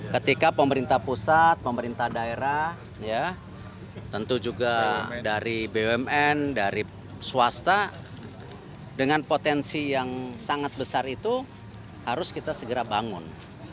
ketika pemerintah pusat pemerintah daerah tentu juga dari bumn dari swasta dengan potensi yang sangat besar itu harus kita segera bangun